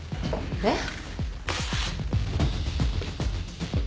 えっ？